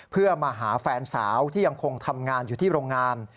เพื่อมาหาแฟนสาวที่ยังคงทำงานอยู่ที่โรงงาน